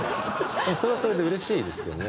それはそれでうれしいですけどね。